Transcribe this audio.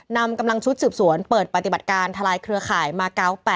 นำกำลังชุดสืบสวนเปิดปฏิบัติการทลายเครือข่ายมา๙๘